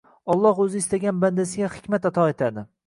Alloh O‘zi istagan bandasiga hikmat ato etadi: